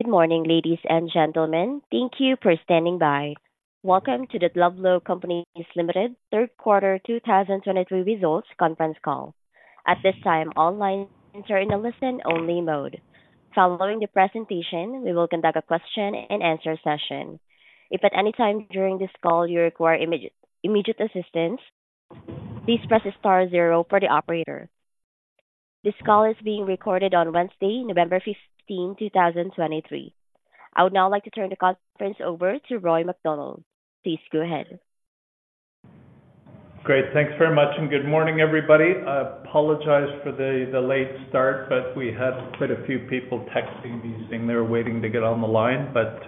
Good morning, ladies and gentlemen. Thank you for standing by. Welcome to the Loblaw Companies Limited third quarter 2023 results conference call. At this time, all lines are in a listen-only mode. Following the presentation, we will conduct a question and answer session. If at any time during this call you require immediate assistance, please press star zero for the operator. This call is being recorded on Wednesday, November 15th, 2023. I would now like to turn the conference over to Roy MacDonald. Please go ahead. Great. Thanks very much, and good morning, everybody. I apologize for the late start, but we had quite a few people texting me, saying they were waiting to get on the line, but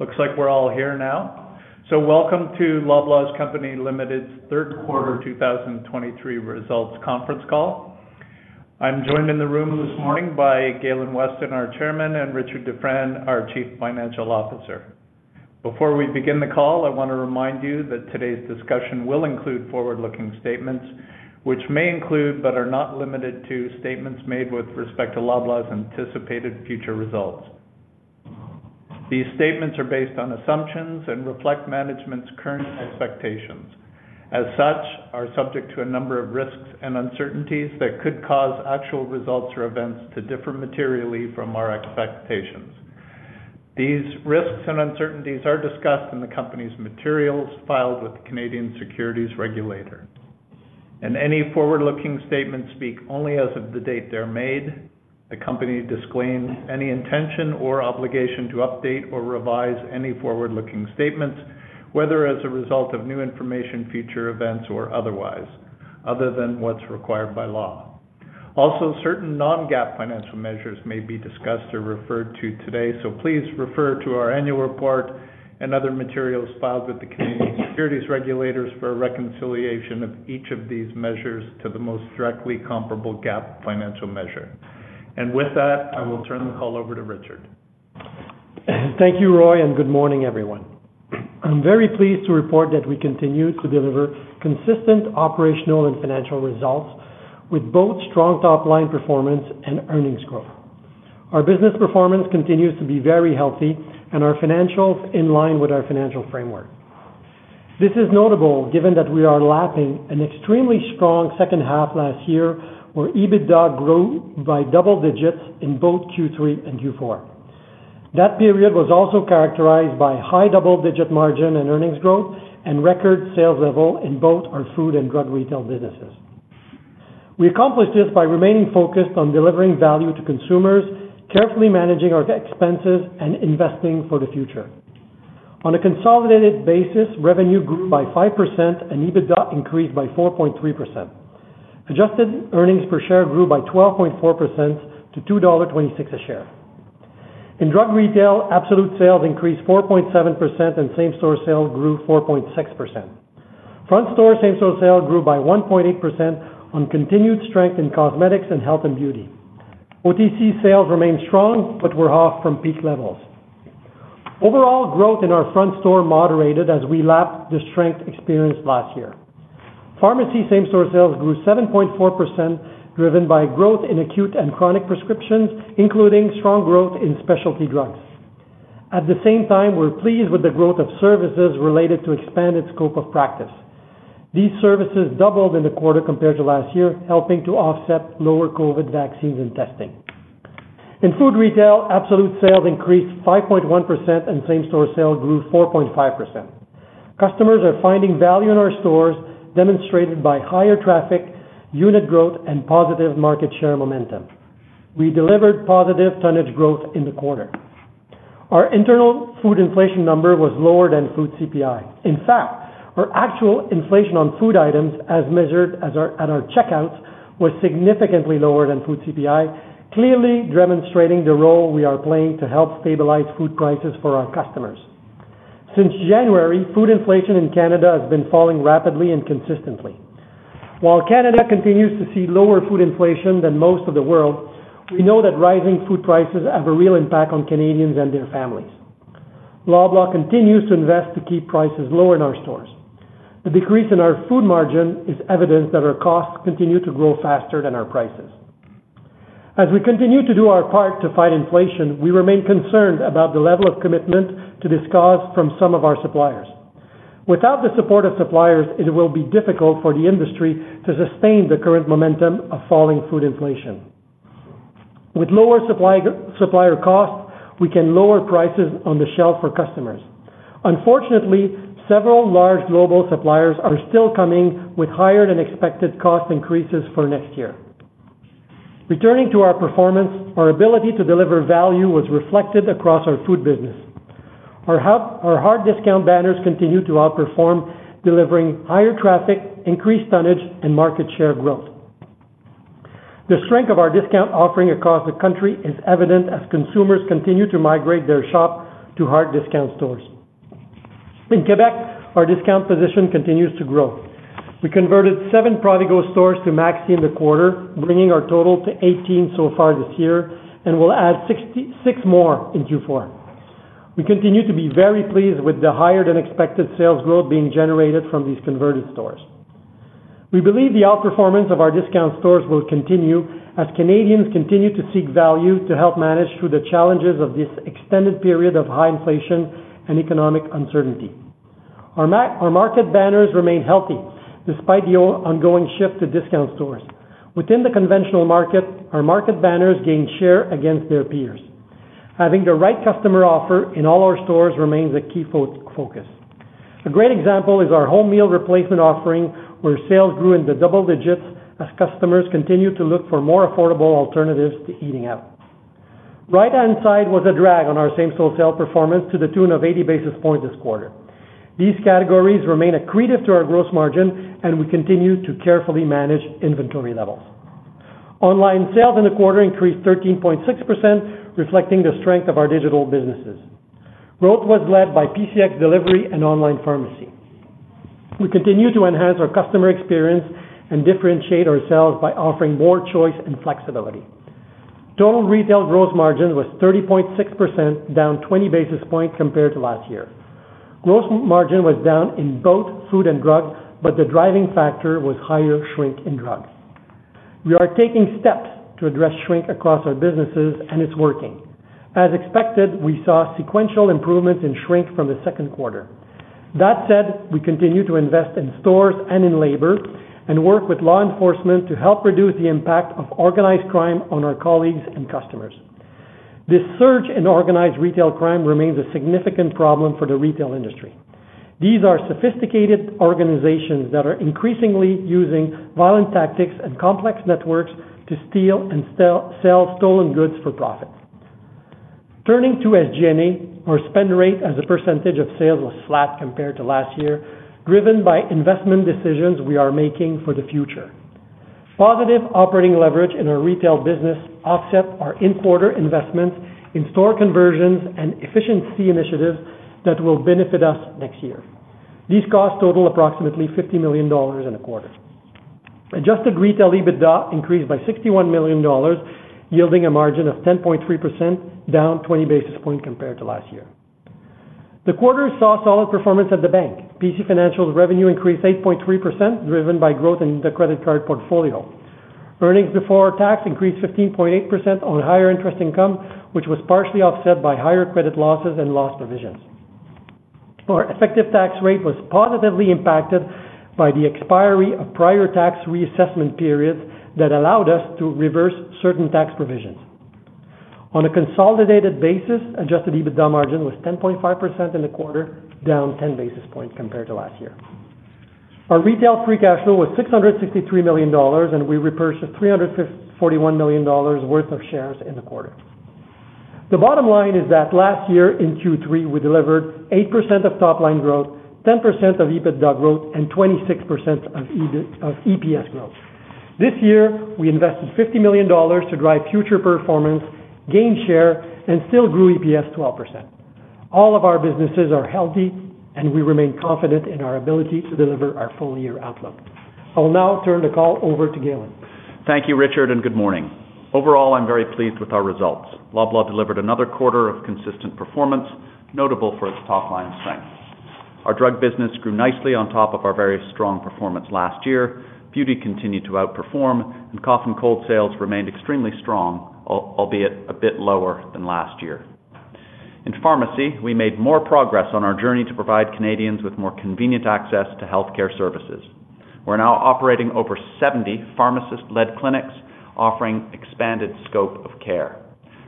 looks like we're all here now. So welcome to Loblaw Companies Limited's third quarter 2023 results conference call. I'm joined in the room this morning by Galen Weston, our Chairman, and Richard Dufresne, our Chief Financial Officer. Before we begin the call, I want to remind you that today's discussion will include forward-looking statements, which may include, but are not limited to, statements made with respect to Loblaw's anticipated future results. These statements are based on assumptions and reflect management's current expectations. As such, are subject to a number of risks and uncertainties that could cause actual results or events to differ materially from our expectations. These risks and uncertainties are discussed in the company's materials filed with the Canadian securities regulators, and any forward-looking statements speak only as of the date they're made. The company disclaims any intention or obligation to update or revise any forward-looking statements, whether as a result of new information, future events, or otherwise, other than what's required by law. Also, certain non-GAAP financial measures may be discussed or referred to today, so please refer to our annual report and other materials filed with the Canadian securities regulators for a reconciliation of each of these measures to the most directly comparable GAAP financial measure. With that, I will turn the call over to Richard. Thank you, Roy, and good morning, everyone. I'm very pleased to report that we continue to deliver consistent operational and financial results with both strong top-line performance and earnings growth. Our business performance continues to be very healthy and our financials in line with our financial framework. This is notable given that we are lapping an extremely strong second half last year, where EBITDA grew by double digits in both Q3 and Q4. That period was also characterized by high double-digit margin and earnings growth and record sales level in both our food and drug retail businesses. We accomplished this by remaining focused on delivering value to consumers, carefully managing our expenses, and investing for the future. On a consolidated basis, revenue grew by 5% and EBITDA increased by 4.3%. Adjusted earnings per share grew by 12.4% to 2.26 dollar a share. In drug retail, absolute sales increased 4.7%, and same-store sales grew 4.6%. Front store same-store sales grew by 1.8% on continued strength in cosmetics and health and beauty. OTC sales remained strong, but were off from peak levels. Overall growth in our front store moderated as we lapped the strength experienced last year. Pharmacy same-store sales grew 7.4%, driven by growth in acute and chronic prescriptions, including strong growth in specialty drugs. At the same time, we're pleased with the growth of services related to expanded scope of practice. These services doubled in the quarter compared to last year, helping to offset lower COVID vaccines and testing. In food retail, absolute sales increased 5.1%, and same-store sales grew 4.5%. Customers are finding value in our stores, demonstrated by higher traffic, unit growth, and positive market share momentum. We delivered positive tonnage growth in the quarter. Our internal food inflation number was lower than food CPI. In fact, our actual inflation on food items, as measured at our checkouts, was significantly lower than food CPI, clearly demonstrating the role we are playing to help stabilize food prices for our customers. Since January, food inflation in Canada has been falling rapidly and consistently. While Canada continues to see lower food inflation than most of the world, we know that rising food prices have a real impact on Canadians and their families. Loblaw continues to invest to keep prices low in our stores. The decrease in our food margin is evidence that our costs continue to grow faster than our prices. As we continue to do our part to fight inflation, we remain concerned about the level of commitment to this cause from some of our suppliers. Without the support of suppliers, it will be difficult for the industry to sustain the current momentum of falling food inflation. With lower supply, supplier costs, we can lower prices on the shelf for customers. Unfortunately, several large global suppliers are still coming with higher-than-expected cost increases for next year. Returning to our performance, our ability to deliver value was reflected across our food business. Our hard discount banners continued to outperform, delivering higher traffic, increased tonnage, and market share growth. The strength of our discount offering across the country is evident as consumers continue to migrate their shop to hard discount stores. In Quebec, our discount position continues to grow. We converted 7 Provigo stores to Maxi in the quarter, bringing our total to 18 so far this year, and we'll add 66 more in Q4. We continue to be very pleased with the higher-than-expected sales growth being generated from these converted stores. We believe the outperformance of our discount stores will continue as Canadians continue to seek value to help manage through the challenges of this extended period of high inflation and economic uncertainty. Our market banners remain healthy, despite the ongoing shift to discount stores. Within the conventional market, our market banners gained share against their peers. Having the right customer offer in all our stores remains a key focus. A great example is our home meal replacement offering, where sales grew in the double digits as customers continued to look for more affordable alternatives to eating out. Right-hand side was a drag on our same-store sales performance to the tune of 80 basis points this quarter. These categories remain accretive to our gross margin, and we continue to carefully manage inventory levels. Online sales in the quarter increased 13.6%, reflecting the strength of our digital businesses. Growth was led by PC Express and online pharmacy. We continue to enhance our customer experience and differentiate ourselves by offering more choice and flexibility. Total retail gross margin was 30.6%, down 20 basis points compared to last year. Gross margin was down in both food and drug, but the driving factor was higher shrink in drugs. We are taking steps to address shrink across our businesses, and it's working. As expected, we saw sequential improvements in shrink from the second quarter. That said, we continue to invest in stores and in labor, and work with law enforcement to help reduce the impact of organized crime on our colleagues and customers. This surge in organized retail crime remains a significant problem for the retail industry. These are sophisticated organizations that are increasingly using violent tactics and complex networks to steal and sell stolen goods for profit. Turning to SG&A, our spend rate as a percentage of sales was flat compared to last year, driven by investment decisions we are making for the future. Positive operating leverage in our retail business offset our in-quarter investments in store conversions and efficiency initiatives that will benefit us next year. These costs total approximately 50 million dollars in a quarter. Adjusted retail EBITDA increased by 61 million dollars, yielding a margin of 10.3%, down 20 basis points compared to last year. The quarter saw solid performance at the bank. PC Financial's revenue increased 8.3%, driven by growth in the credit card portfolio. Earnings before tax increased 15.8% on higher interest income, which was partially offset by higher credit losses and loss provisions. Our effective tax rate was positively impacted by the expiry of prior tax reassessment periods that allowed us to reverse certain tax provisions. On a consolidated basis, adjusted EBITDA margin was 10.5% in the quarter, down 10 basis points compared to last year. Our retail free cash flow was 663 million dollars, and we repurchased 341 million dollars worth of shares in the quarter. The bottom line is that last year in Q3, we delivered 8% of top-line growth, 10% of EBITDA growth, and 26% of EPS growth. This year, we invested 50 million dollars to drive future performance, gain share, and still grew EPS 12%. All of our businesses are healthy, and we remain confident in our ability to deliver our full-year outlook. I will now turn the call over to Galen. Thank you, Richard, and good morning. Overall, I'm very pleased with our results. Loblaw delivered another quarter of consistent performance, notable for its top-line strength. Our drug business grew nicely on top of our very strong performance last year. Beauty continued to outperform, and cough and cold sales remained extremely strong, albeit a bit lower than last year. In pharmacy, we made more progress on our journey to provide Canadians with more convenient access to healthcare services. We're now operating over 70 pharmacist-led clinics, offering expanded scope of care.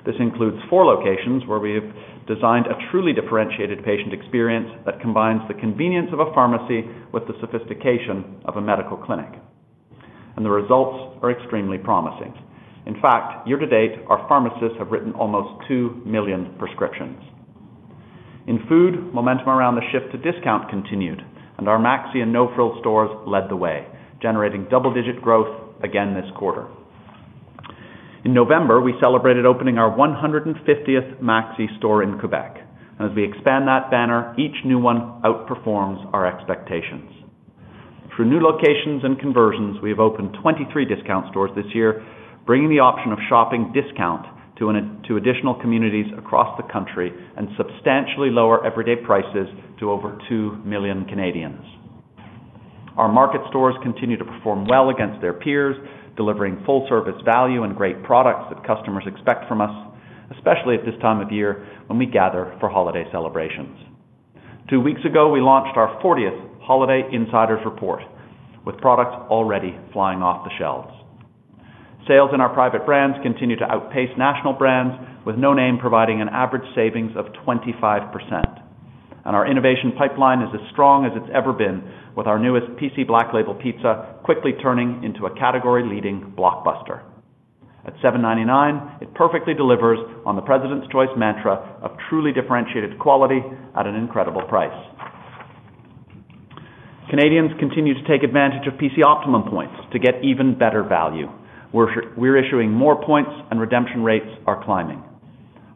This includes 4 locations, where we have designed a truly differentiated patient experience that combines the convenience of a pharmacy with the sophistication of a medical clinic, and the results are extremely promising. In fact, year to date, our pharmacists have written almost 2 million prescriptions. In food, momentum around the shift to discount continued, and our Maxi and No Frills stores led the way, generating double-digit growth again this quarter. In November, we celebrated opening our 150th Maxi store in Quebec. As we expand that banner, each new one outperforms our expectations. Through new locations and conversions, we have opened 23 discount stores this year, bringing the option of shopping discount to additional communities across the country, and substantially lower everyday prices to over 2 million Canadians. Our market stores continue to perform well against their peers, delivering full-service value and great products that customers expect from us, especially at this time of year when we gather for holiday celebrations. Two weeks ago, we launched our 40th Holiday Insiders Report, with products already flying off the shelves. Sales in our private brands continue to outpace national brands, with no name providing an average savings of 25%. Our innovation pipeline is as strong as it's ever been, with our newest PC Black Label Pizza quickly turning into a category-leading blockbuster. At 7.99, it perfectly delivers on the President's Choice mantra of truly differentiated quality at an incredible price. Canadians continue to take advantage of PC Optimum points to get even better value. We're issuing more points, and redemption rates are climbing.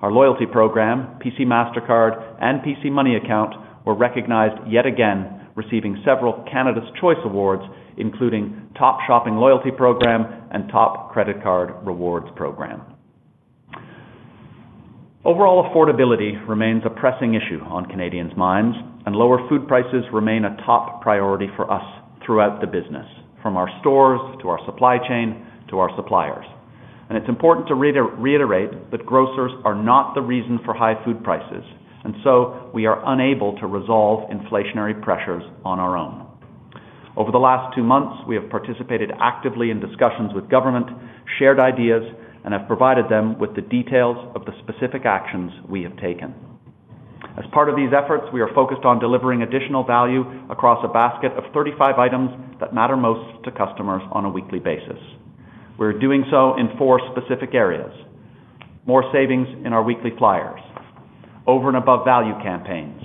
Our loyalty program, PC Mastercard, and PC Money Account were recognized yet again, receiving several Canada's Choice Awards, including Top Shopping Loyalty Program and Top Credit Card Rewards Program. Overall, affordability remains a pressing issue on Canadians' minds, and lower food prices remain a top priority for us throughout the business, from our stores to our supply chain to our suppliers. It's important to reiterate that grocers are not the reason for high food prices, and so we are unable to resolve inflationary pressures on our own. Over the last two months, we have participated actively in discussions with government, shared ideas, and have provided them with the details of the specific actions we have taken. As part of these efforts, we are focused on delivering additional value across a basket of 35 items that matter most to customers on a weekly basis. We're doing so in four specific areas: more savings in our weekly flyers, over and above value campaigns,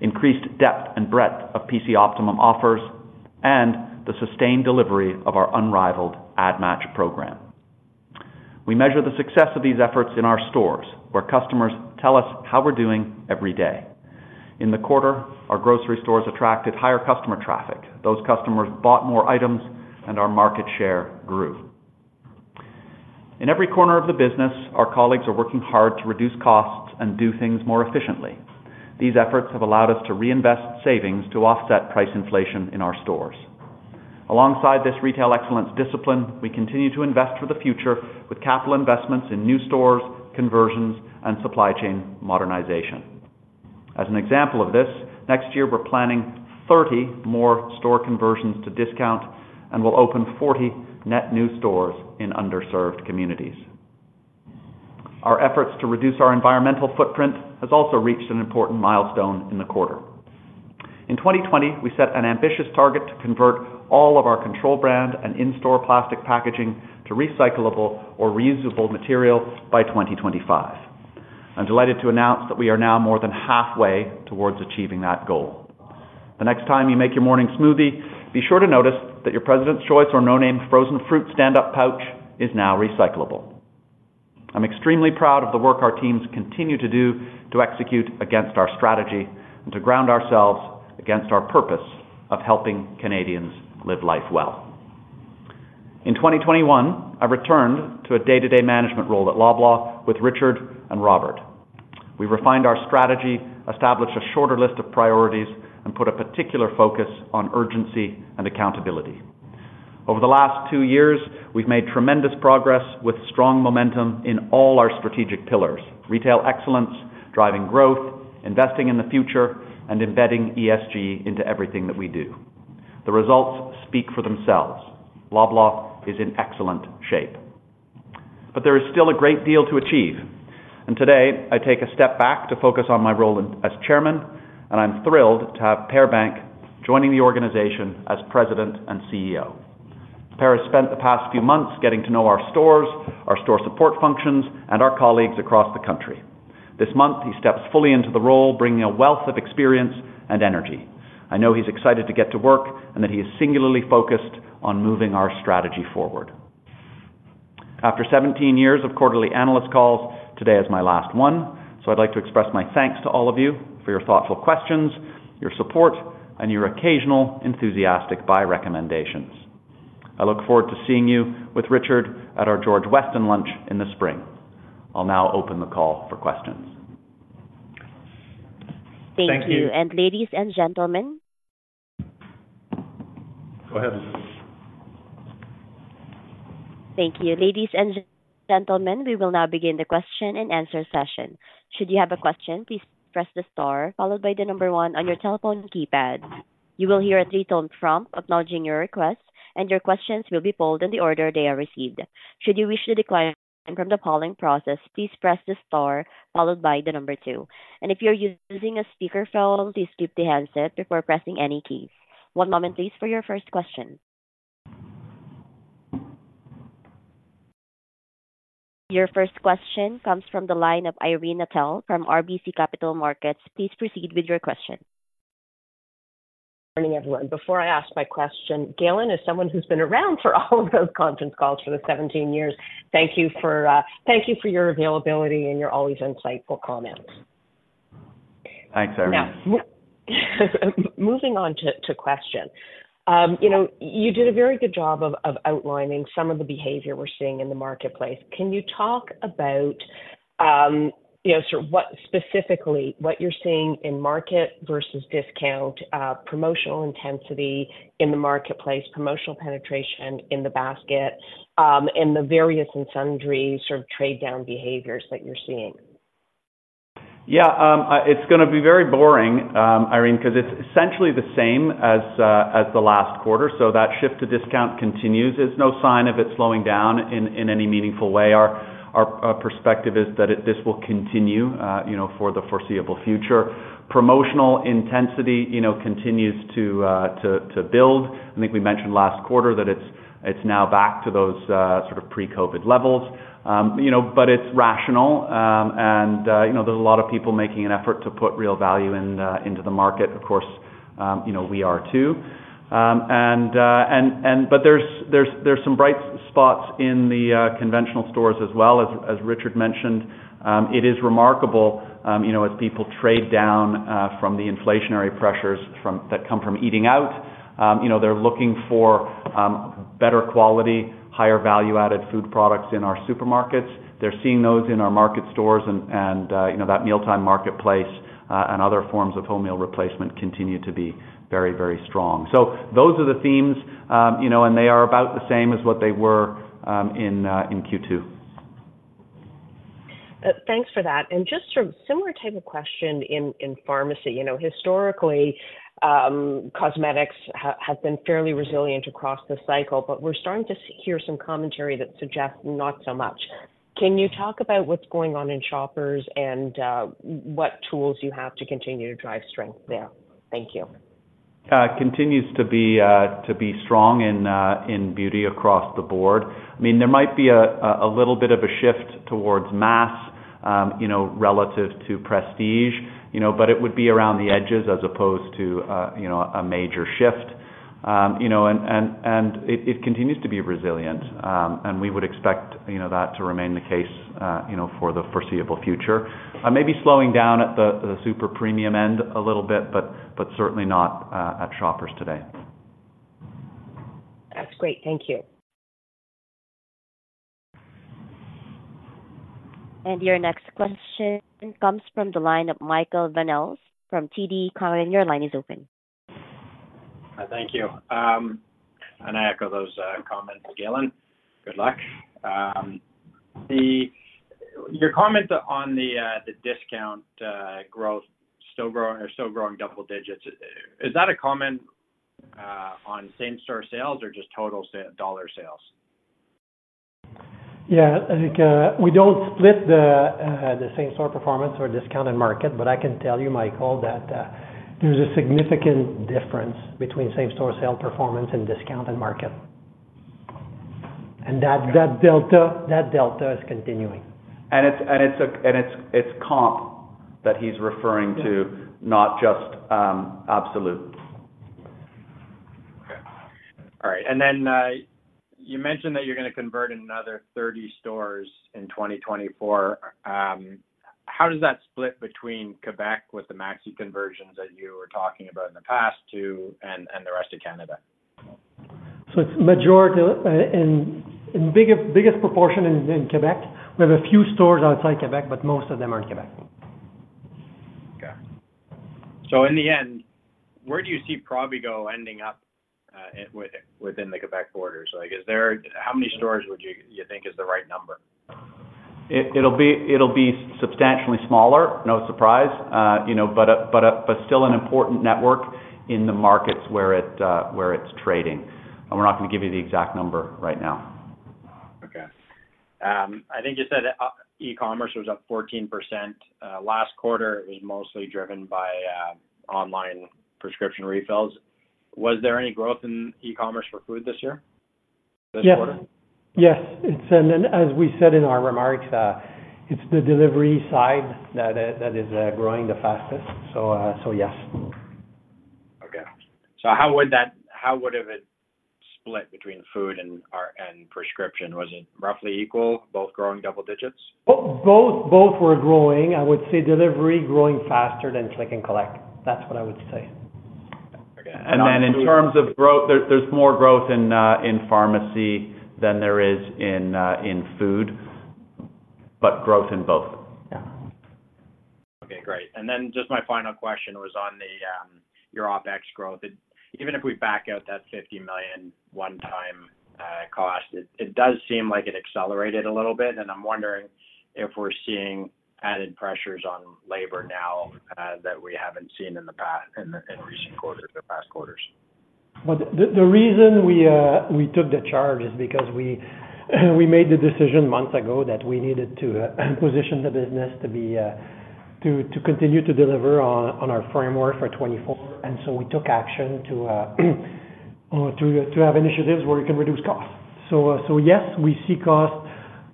increased depth and breadth of PC Optimum offers, and the sustained delivery of our unrivaled Ad Match program. We measure the success of these efforts in our stores, where customers tell us how we're doing every day. In the quarter, our grocery stores attracted higher customer traffic. Those customers bought more items, and our market share grew. In every corner of the business, our colleagues are working hard to reduce costs and do things more efficiently. These efforts have allowed us to reinvest savings to offset price inflation in our stores. Alongside this retail excellence discipline, we continue to invest for the future with capital investments in new stores, conversions, and supply chain modernization. As an example of this, next year, we're planning 30 more store conversions to discount, and we'll open 40 net new stores in underserved communities. Our efforts to reduce our environmental footprint has also reached an important milestone in the quarter. In 2020, we set an ambitious target to convert all of our control brand and in-store plastic packaging to recyclable or reusable material by 2025. I'm delighted to announce that we are now more than halfway towards achieving that goal. The next time you make your morning smoothie, be sure to notice that your President's Choice or no name frozen fruit stand-up pouch is now recyclable. I'm extremely proud of the work our teams continue to do to execute against our strategy and to ground ourselves against our purpose of helping Canadians live life well. In 2021, I returned to a day-to-day management role at Loblaw with Richard and Robert. We refined our strategy, established a shorter list of priorities, and put a particular focus on urgency and accountability. Over the last two years, we've made tremendous progress with strong momentum in all our strategic pillars: retail excellence, driving growth, investing in the future, and embedding ESG into everything that we do. The results speak for themselves. Loblaw is in excellent shape, but there is still a great deal to achieve. Today, I take a step back to focus on my role as chairman, and I'm thrilled to have Per Bank joining the organization as President and CEO. Per has spent the past few months getting to know our stores, our store support functions, and our colleagues across the country. This month, he steps fully into the role, bringing a wealth of experience and energy. I know he's excited to get to work and that he is singularly focused on moving our strategy forward. After 17 years of quarterly analyst calls, today is my last one, so I'd like to express my thanks to all of you for your thoughtful questions, your support, and your occasional enthusiastic buy recommendations. I look forward to seeing you with Richard at our George Weston lunch in the spring. I'll now open the call for questions. Thank you. And ladies and gentlemen... Go ahead. Thank you. Ladies and gentlemen, we will now begin the question-and-answer session. Should you have a question, please press the star followed by the number one on your telephone keypad. You will hear a 3-tone prompt acknowledging your request, and your questions will be pulled in the order they are received. Should you wish to decline from the polling process, please press the star followed by the number two. And if you're using a speakerphone, please skip the handset before pressing any keys. One moment, please, for your first question. Your first question comes from the line of Irene Nattel from RBC Capital Markets. Please proceed with your question. Good morning, everyone. Before I ask my question, Galen, as someone who's been around for all of those conference calls for the 17 years, thank you for, thank you for your availability and your always insightful comments. Thanks, Irene. Moving on to question. You know, you did a very good job of outlining some of the behavior we're seeing in the marketplace. Can you talk about, you know, sort of what specifically what you're seeing in market versus discount, promotional intensity in the marketplace, promotional penetration in the basket, and the various and sundry sort of trade-down behaviors that you're seeing? Yeah, it's gonna be very boring, Irene, 'cause it's essentially the same as the last quarter. So that shift to discount continues. There's no sign of it slowing down in any meaningful way. Our perspective is that this will continue, you know, for the foreseeable future. Promotional intensity, you know, continues to build. I think we mentioned last quarter that it's now back to those sort of pre-COVID levels. You know, but it's rational, and you know, there's a lot of people making an effort to put real value into the market. Of course, you know, we are too. But there's some bright spots in the conventional stores as well as Richard mentioned. It is remarkable, you know, as people trade down from the inflationary pressures that come from eating out, you know, they're looking for better quality, higher value-added food products in our supermarkets. They're seeing those in our market stores and, you know, that mealtime marketplace and other forms of home meal replacement continue to be very, very strong. So those are the themes, you know, and they are about the same as what they were in Q2. Thanks for that. And just sort of similar type of question in pharmacy. You know, historically, cosmetics has been fairly resilient across the cycle, but we're starting to hear some commentary that suggests not so much. Can you talk about what's going on in shoppers and what tools you have to continue to drive strength there? Thank you. Continues to be strong in beauty across the board. I mean, there might be a little bit of a shift towards mass, you know, relative to prestige, you know, but it would be around the edges as opposed to a major shift. You know, it continues to be resilient, and we would expect that to remain the case, you know, for the foreseeable future. Maybe slowing down at the super premium end a little bit, but certainly not at Shoppers today. That's great. Thank you. Your next question comes from the line of Michael Van Aelst from TD Cowen. Your line is open. Thank you. I echo those comments, Galen. Good luck. Your comments on the discount growth still growing are still growing double digits. Is that a comment on same store sales or just total dollar sales? Yeah, I think we don't split the same store performance or discounted market, but I can tell you, Michael, that there's a significant difference between same store sales performance and discounted market. And that delta is continuing. And it's comp that he's referring to. Yeah... not just, absolute. Okay. All right, and then, you mentioned that you're gonna convert another 30 stores in 2024. How does that split between Quebec with the Maxi conversions that you were talking about in the past to, and, and the rest of Canada? So it's majority in biggest proportion is in Quebec. We have a few stores outside Quebec, but most of them are in Quebec. Okay. So in the end, where do you see Provigo ending up, within the Quebec borders? Like, is there... How many stores would you, you think is the right number? It'll be substantially smaller, no surprise. You know, but still an important network in the markets where it's trading. And we're not going to give you the exact number right now. Okay. I think you said that e-commerce was up 14% last quarter. It was mostly driven by online prescription refills. Was there any growth in e-commerce for food this year, this quarter? Yes. Yes. It's, and as we said in our remarks, it's the delivery side that, that is, growing the fastest. So, so yes. Okay. So how would've it split between food and prescription? Was it roughly equal, both growing double digits? Both, both were growing. I would say delivery growing faster than click and collect. That's what I would say. And then in terms of growth, there's more growth in pharmacy than there is in food, but growth in both. Yeah. Okay, great. And then just my final question was on the your OpEx growth. Even if we back out that 50 million one-time cost, it does seem like it accelerated a little bit, and I'm wondering if we're seeing added pressures on labor now, that we haven't seen in the past, in recent quarters, the past quarters. Well, the reason we took the charge is because we made the decision months ago that we needed to position the business to continue to deliver on our framework for 2024. And so we took action to have initiatives where we can reduce costs. So, yes, we see costs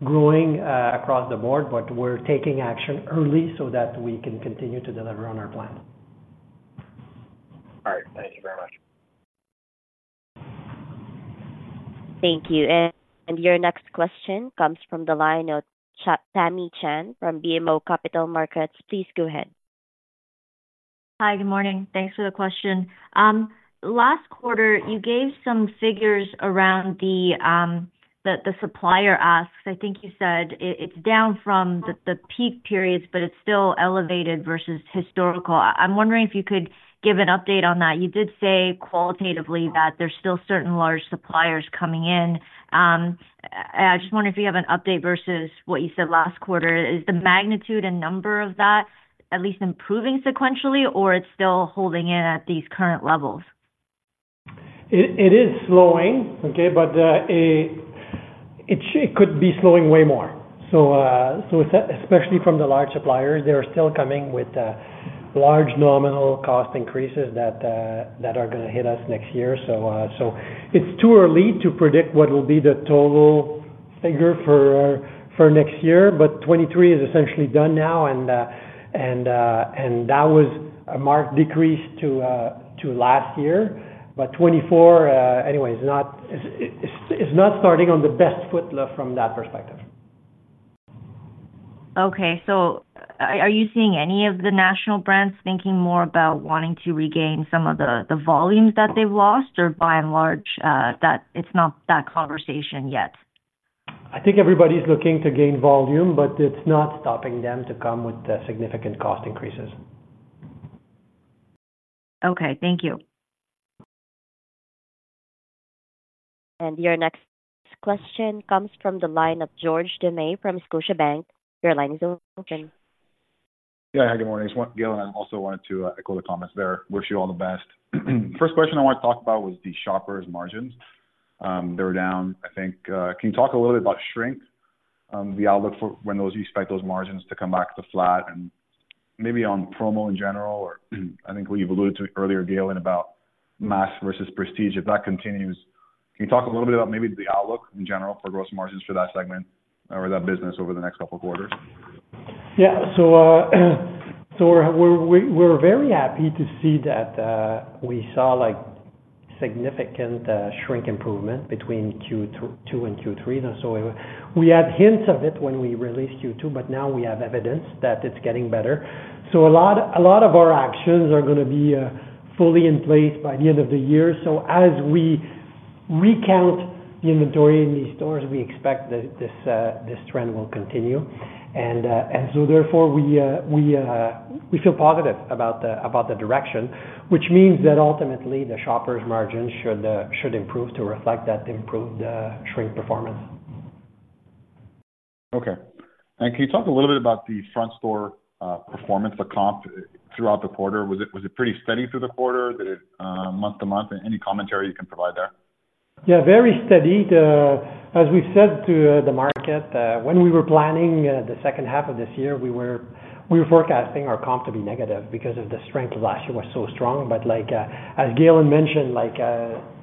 growing across the board, but we're taking action early so that we can continue to deliver on our plan. All right. Thank you very much. Thank you. Your next question comes from the line of Tamy Chen from BMO Capital Markets. Please go ahead. Hi, good morning. Thanks for the question. Last quarter, you gave some figures around the supplier asks. I think you said it, it's down from the peak periods, but it's still elevated versus historical. I'm wondering if you could give an update on that. You did say qualitatively that there's still certain large suppliers coming in. I just wonder if you have an update versus what you said last quarter. Is the magnitude and number of that at least improving sequentially, or it's still holding in at these current levels? It is slowing, okay, but it could be slowing way more. So, especially from the large suppliers, they are still coming with large nominal cost increases that are gonna hit us next year. So, it's too early to predict what will be the total figure for next year, but 2023 is essentially done now, and that was a marked decrease to last year. But 2024, anyway, is not starting on the best foot left from that perspective. Okay, so are you seeing any of the national brands thinking more about wanting to regain some of the volumes that they've lost, or by and large, that it's not that conversation yet? I think everybody's looking to gain volume, but it's not stopping them to come with significant cost increases. Okay, thank you. And your next question comes from the line of George Doumet from Scotiabank. Your line is open. Yeah, hi, good morning. Galen, I also wanted to echo the comments there. Wish you all the best. First question I want to talk about was the Shoppers' margins. They were down, I think. Can you talk a little bit about shrink, the outlook for when those... You expect those margins to come back to flat? And maybe on promo in general, or I think what you've alluded to earlier, Galen, about mass versus prestige, if that continues. Can you talk a little bit about maybe the outlook in general for gross margins for that segment or that business over the next couple of quarters? Yeah. So, so we're, we're, we're very happy to see that, we saw, like, significant, shrink improvement between Q2 2022 and Q3. So we had hints of it when we released Q2, but now we have evidence that it's getting better. So a lot, a lot of our actions are gonna be, fully in place by the end of the year. So as we recount the inventory in these stores, we expect that this, this trend will continue. And, and so therefore, we, we, we feel positive about the, about the direction, which means that ultimately, the Shoppers' margins should, should improve to reflect that improved, shrink performance. Okay. And can you talk a little bit about the front store performance, the comp, throughout the quarter? Was it, was it pretty steady through the quarter, the month-to-month? Any commentary you can provide there? Yeah, very steady. As we said to the market, when we were planning the second half of this year, we were forecasting our comp to be negative because of the strength of last year was so strong. But like, as Galen mentioned, like,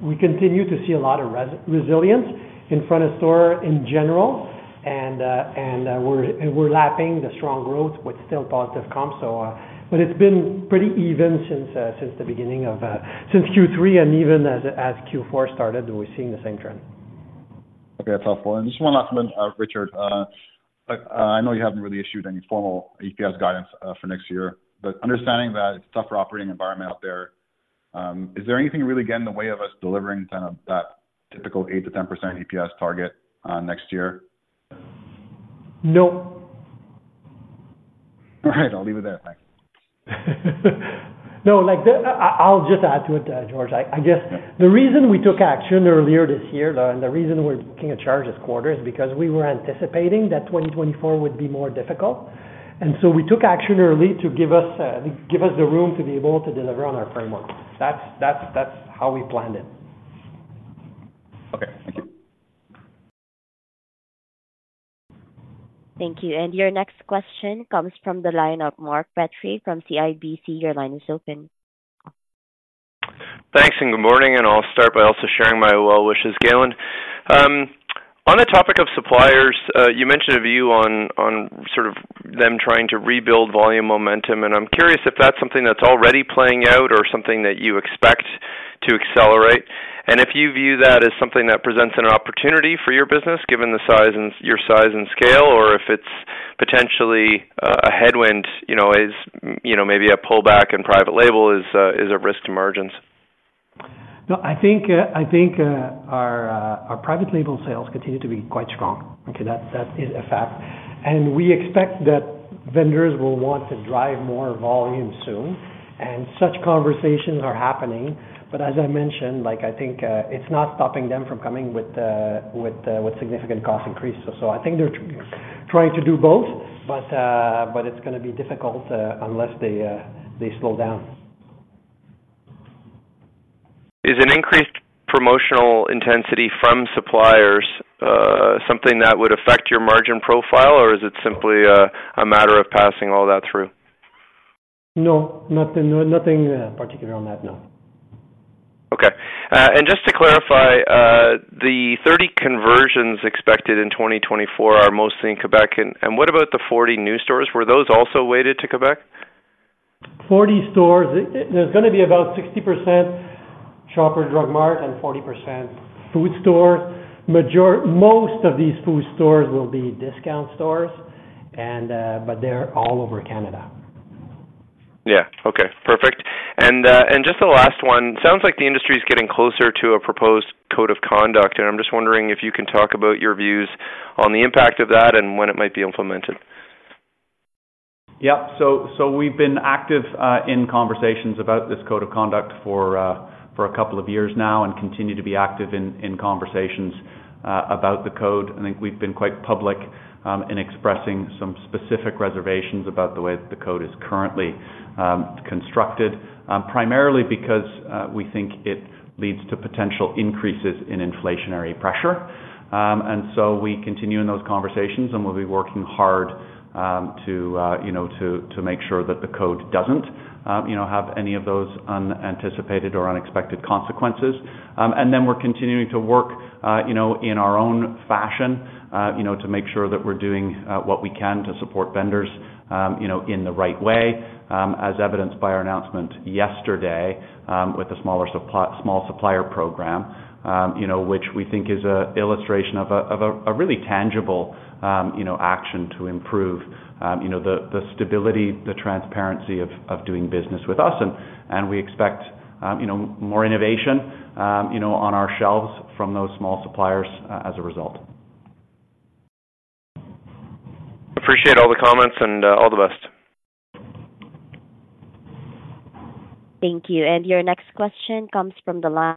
we continue to see a lot of resilience in front of store in general, and we're lapping the strong growth with still positive comp. So, but it's been pretty even since the beginning of Q3, and even as Q4 started, we're seeing the same trend. Okay, that's helpful. And just one last one, Richard. I know you haven't really issued any formal EPS guidance for next year, but understanding that it's a tougher operating environment out there, is there anything really getting in the way of us delivering kind of that typical 8%-10% EPS target next year? No. All right, I'll leave it there. Bye. No, like, the... I, I'll just add to it, George. I, I guess the reason we took action earlier this year, and the reason we're looking to charge this quarter, is because we were anticipating that 2024 would be more difficult, and so we took action early to give us, give us the room to be able to deliver on our framework. That's, that's, that's how we planned it. Okay, thank you. Thank you. And your next question comes from the line of Mark Petrie from CIBC. Your line is open. Thanks, and good morning, and I'll start by also sharing my well wishes, Galen. On the topic of suppliers, you mentioned a view on, on sort of them trying to rebuild volume momentum, and I'm curious if that's something that's already playing out or something that you expect to accelerate. And if you view that as something that presents an opportunity for your business, given your size and scale, or if it's potentially a headwind, you know, is, you know, maybe a pullback in private label is a risk to margins. No, I think, I think, our, our private label sales continue to be quite strong. Okay, that is a fact, and we expect that vendors will want to drive more volume soon, and such conversations are happening. But as I mentioned, like, I think, it's not stopping them from coming with, with, with significant cost increases. So I think they're trying to do both, but, but it's gonna be difficult, unless they, they slow down. Is an increased promotional intensity from suppliers something that would affect your margin profile, or is it simply a matter of passing all that through? No, nothing, nothing, particular on that, no. Okay, and just to clarify, the 30 conversions expected in 2024 are mostly in Quebec. What about the 40 new stores? Were those also weighted to Quebec? 40 stores, there's gonna be about 60% Shoppers Drug Mart and 40% food store. Most of these food stores will be discount stores and, but they're all over Canada. Yeah. Okay, perfect. And, and just the last one. Sounds like the industry is getting closer to a proposed code of conduct, and I'm just wondering if you can talk about your views on the impact of that and when it might be implemented. Yeah, so we've been active in conversations about this code of conduct for a couple of years now and continue to be active in conversations about the code. I think we've been quite public in expressing some specific reservations about the way that the code is currently constructed. Primarily because we think it leads to potential increases in inflationary pressure. And so we continue in those conversations, and we'll be working hard to you know to make sure that the code doesn't you know have any of those unanticipated or unexpected consequences. Then we're continuing to work, you know, in our own fashion, you know, to make sure that we're doing what we can to support vendors, you know, in the right way, as evidenced by our announcement yesterday with the Small Supplier Program, you know, which we think is an illustration of a really tangible, you know, action to improve, you know, the stability, the transparency of doing business with us. And we expect, you know, more innovation, you know, on our shelves from those small suppliers, as a result. Appreciate all the comments, and all the best. Thank you. Your next question comes from the line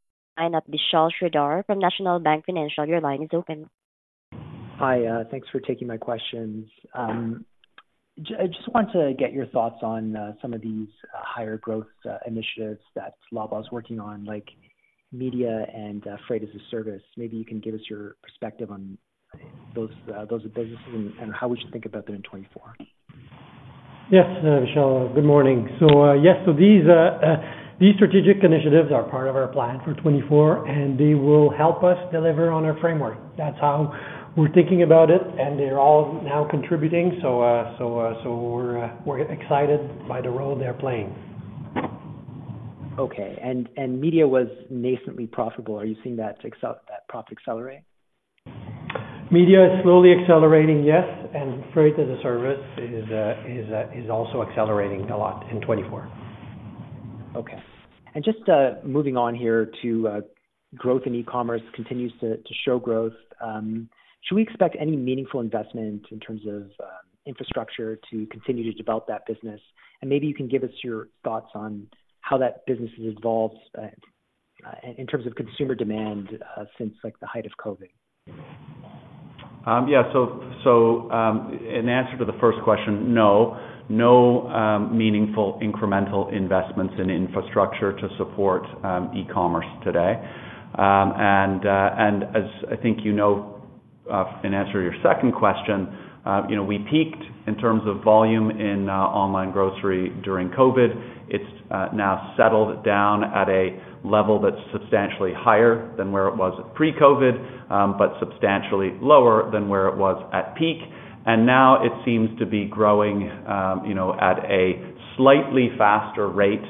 of Vishal Shreedhar from National Bank Financial. Your line is open. Hi, thanks for taking my questions. I just want to get your thoughts on some of these higher growth initiatives that Loblaw's working on, like media and Freight as a Service. Maybe you can give us your perspective on those those businesses and and how we should think about them in 2024. Yes, Vishal, good morning. So, yes, these strategic initiatives are part of our plan for 2024, and they will help us deliver on our framework. That's how we're thinking about it, and they're all now contributing, so we're excited by the role they're playing. Okay. And media was nascently profitable. Are you seeing that profit accelerate? Media is slowly accelerating, yes, and Freight as a Service is also accelerating a lot in 2024. Okay. And just, moving on here to, growth in e-commerce continues to show growth. Should we expect any meaningful investment in terms of, infrastructure to continue to develop that business? And maybe you can give us your thoughts on how that business has evolved, in terms of consumer demand, since, like, the height of COVID. Yeah, so in answer to the first question, no. No meaningful incremental investments in infrastructure to support e-commerce today. And as I think you know, in answer to your second question, you know, we peaked in terms of volume in online grocery during COVID. It's now settled down at a level that's substantially higher than where it was pre-COVID, but substantially lower than where it was at peak. And now it seems to be growing, you know, at a slightly faster rate,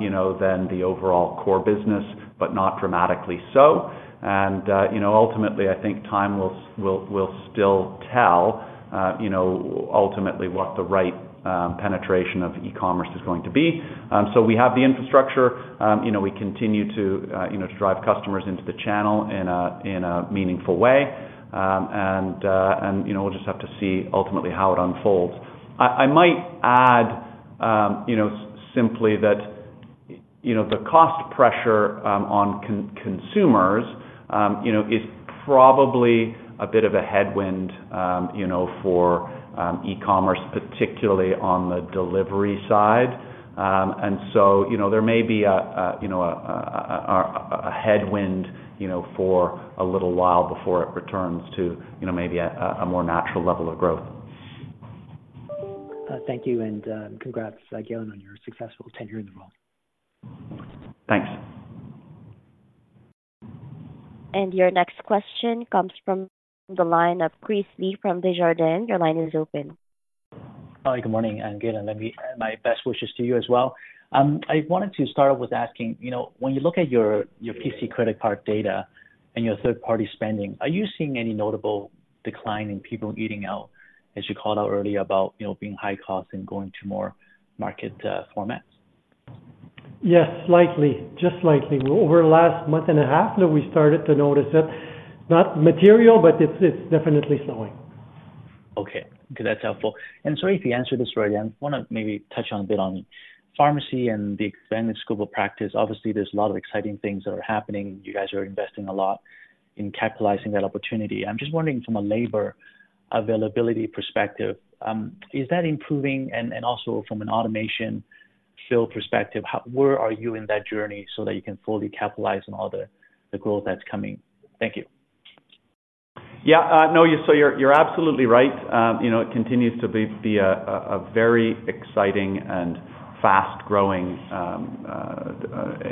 you know, than the overall core business, but not dramatically so. And, you know, ultimately, I think time will still tell, you know, ultimately what the right penetration of e-commerce is going to be. So we have the infrastructure, you know, we continue to, you know, to drive customers into the channel in a meaningful way. And you know, we'll just have to see ultimately how it unfolds. I might add, you know, simply that, you know, the cost pressure on consumers, you know, is probably a bit of a headwind, you know, for e-commerce, particularly on the delivery side. And so, you know, there may be a headwind, you know, for a little while before it returns to, you know, maybe a more natural level of growth. Thank you, and congrats, Galen, on your successful tenure in the role. Thanks. Your next question comes from the line of Chris Li from Desjardins. Your line is open. Hi, good morning, and Galen, let me add my best wishes to you as well. I wanted to start with asking, you know, when you look at your, your PC credit card data and your third-party spending, are you seeing any notable decline in people eating out, as you called out earlier, about, you know, being high cost and going to more market formats? Yes, slightly. Just slightly. Over the last month and a half, that we started to notice it. Not material, but it's, it's definitely slowing. Okay, good, that's helpful. Sorry if you answered this already. I want to maybe touch on a bit on pharmacy and the expanded scope of practice. Obviously, there's a lot of exciting things that are happening. You guys are investing a lot in capitalizing that opportunity. I'm just wondering from a labor availability perspective, is that improving? And also from an automation fill perspective, how... where are you in that journey so that you can fully capitalize on all the, the growth that's coming? Thank you. Yeah, no, you're absolutely right. You know, it continues to be a very exciting and fast-growing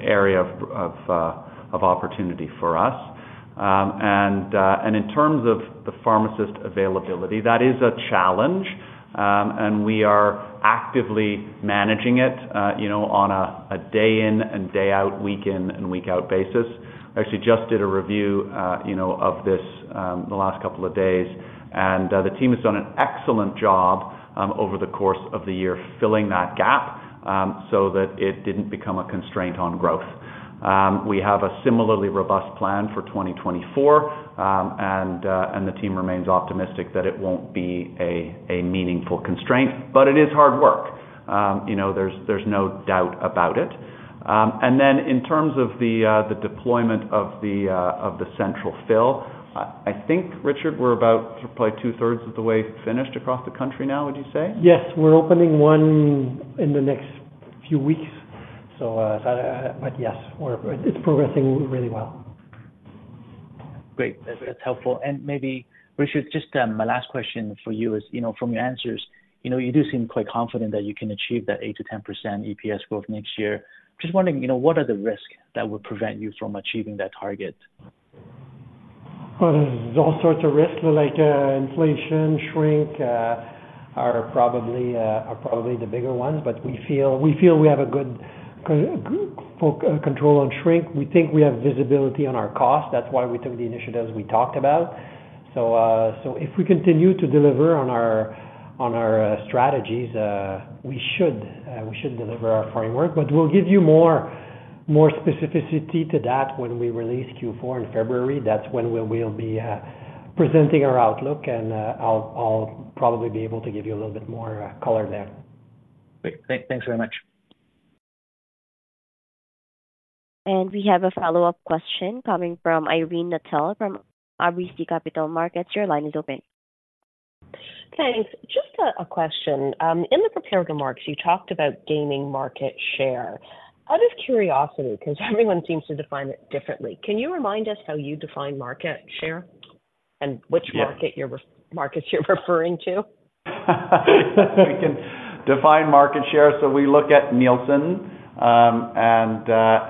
area of opportunity for us. And in terms of the pharmacist availability, that is a challenge, and we are actively managing it, you know, on a day in and day out, week in and week out basis. I actually just did a review, you know, of this, the last couple of days, and the team has done an excellent job, over the course of the year, filling that gap, so that it didn't become a constraint on growth. We have a similarly robust plan for 2024, and the team remains optimistic that it won't be a meaningful constraint, but it is hard work. You know, there's no doubt about it. And then in terms of the deployment of the Central Fill, I think, Richard, we're about probably two-thirds of the way finished across the country now, would you say? Yes, we're opening one in the next few weeks. So, but yes, we're. It's progressing really well. Great. That's helpful. Maybe, Richard, just my last question for you is, you know, from your answers, you know, you do seem quite confident that you can achieve that 8%-10% EPS growth next year. Just wondering, you know, what are the risks that would prevent you from achieving that target? Well, there's all sorts of risks like, inflation, shrink, are probably the bigger ones, but we feel, we feel we have a good good control on shrink. We think we have visibility on our cost. That's why we took the initiatives we talked about. So, so if we continue to deliver on our, on our, strategies, we should, we should deliver our framework, but we'll give you more, more specificity to that when we release Q four in February. That's when we will be, presenting our outlook, and, I'll, I'll probably be able to give you a little bit more, color there. Great. Thanks very much. We have a follow-up question coming from Irene Nattel from RBC Capital Markets. Your line is open. Thanks. Just a question. In the prepared remarks, you talked about gaining market share. Out of curiosity, because everyone seems to define it differently, can you remind us how you define market share and which- Yes. market you're referring to? We can define market share. So we look at Nielsen,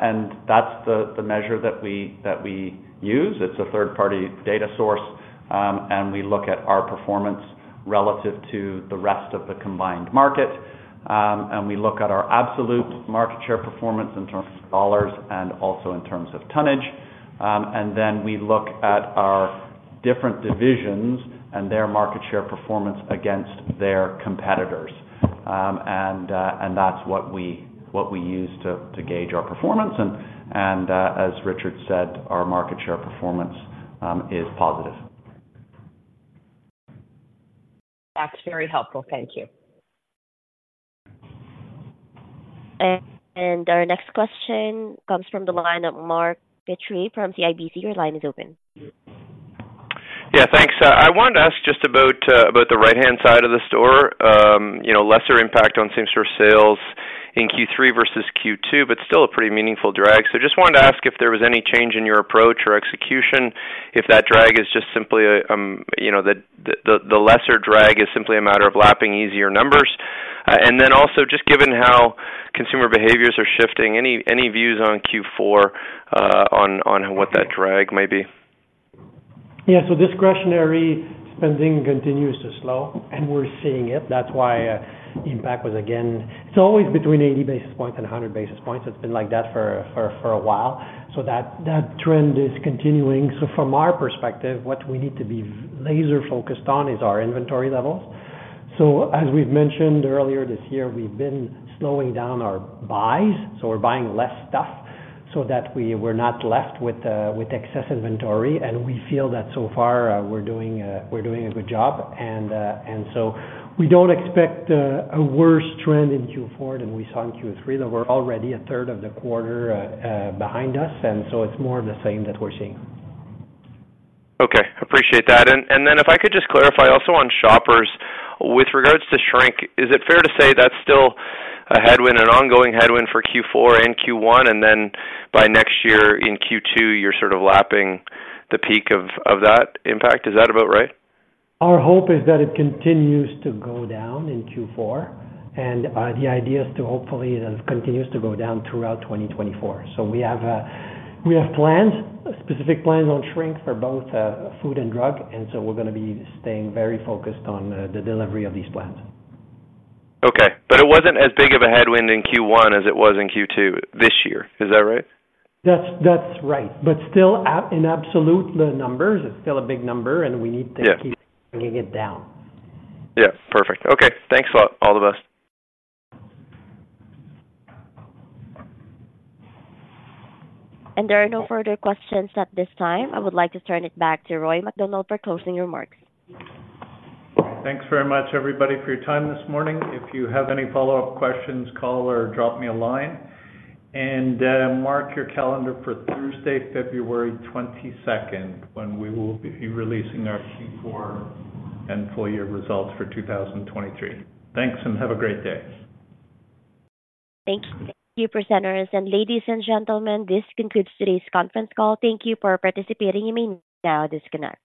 and that's the measure that we use. It's a third-party data source, and we look at our performance relative to the rest of the combined market. And we look at our absolute market share performance in terms of dollars and also in terms of tonnage. And then we look at our different divisions and their market share performance against their competitors. And that's what we use to gauge our performance. And as Richard said, our market share performance is positive. That's very helpful. Thank you. Our next question comes from the line of Mark Petrie from CIBC. Your line is open. Yeah, thanks. I wanted to ask just about the right-hand side of the store. You know, lesser impact on same-store sales in Q3 versus Q2, but still a pretty meaningful drag. So just wanted to ask if there was any change in your approach or execution, if that drag is just simply a, you know, the lesser drag is simply a matter of lapping easier numbers. And then also, just given how consumer behaviors are shifting, any views on Q4, on what that drag may be? Yeah, so discretionary spending continues to slow, and we're seeing it. That's why impact was again... It's always between 80 basis points and 100 basis points. It's been like that for a while. So that trend is continuing. So from our perspective, what we need to be laser-focused on is our inventory levels. So as we've mentioned earlier, this year, we've been slowing down our buys. So we're buying less stuff so that we're not left with excess inventory, and we feel that so far, we're doing a good job. And so we don't expect a worse trend in Q4 than we saw in Q3, that we're already a third of the quarter behind us, and so it's more of the same that we're seeing. Okay, appreciate that. And, and then if I could just clarify also on Shoppers, with regards to shrink, is it fair to say that's still a headwind, an ongoing headwind for Q4 and Q1, and then by next year in Q2, you're sort of lapping the peak of, of that impact? Is that about right? Our hope is that it continues to go down in Q4, and the idea is to hopefully it continues to go down throughout 2024. So we have, we have plans, specific plans on shrink for both food and drug, and so we're gonna be staying very focused on the delivery of these plans. Okay. But it wasn't as big of a headwind in Q1 as it was in Q2 this year. Is that right? That's, that's right. But still in absolute, the numbers, it's still a big number, and we need- Yeah. -to keep bringing it down. Yeah, perfect. Okay, thanks a lot. All the best. There are no further questions at this time. I would like to turn it back to Roy MacDonald for closing remarks. Thanks very much, everybody, for your time this morning. If you have any follow-up questions, call or drop me a line. And, mark your calendar for Thursday, February 22nd, when we will be releasing our Q4 and full year results for 2023. Thanks, and have a great day. Thank you, presenters, and ladies and gentlemen, this concludes today's conference call. Thank you for participating. You may now disconnect.